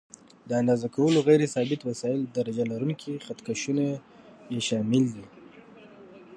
د اندازه کولو غیر ثابت وسایل: درجه لرونکي خط کشونه یې شامل دي.